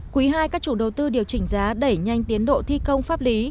quý ii các chủ đầu tư điều chỉnh giá đẩy nhanh tiến độ thi công pháp lý